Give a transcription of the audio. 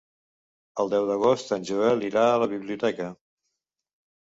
El deu d'agost en Joel irà a la biblioteca.